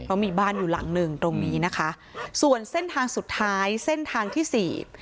เพราะมีบ้านอยู่หลังหนึ่งตรงนี้นะคะส่วนเส้นทางสุดท้ายเส้นทางที่สี่